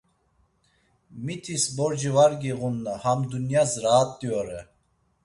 Mitis borci var giğunna ham dunyas raat̆i ore.